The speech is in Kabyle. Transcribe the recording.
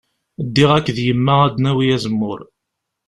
Ddiɣ akked yemma ad d-nawi azemmur.